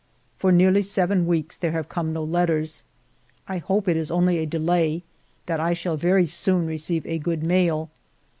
For nearly seven weeks there have come no letters. ... I hope it is only a delay, that I shall very soon receive a good mail.